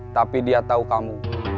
tapi dia tahu kamu